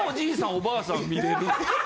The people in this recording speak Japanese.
おばあさん見れるの？